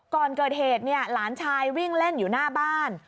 ก่อนเกิดเหตุเนี่ยหลานชายวิ่งเล่นอยู่หน้าบ้าน